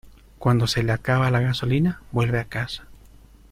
y cuando se le acaba la gasolina, vuelve a casa.